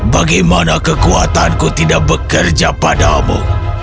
bagaimana kekuatanku tidak bekerja padamu